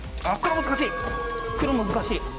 あっ黒難しい。